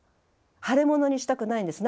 腫れ物にしたくないんです。